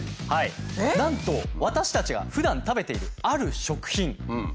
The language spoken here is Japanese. なんと私たちがふだん食べているある食品。